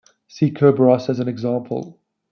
See Kerberos as an example.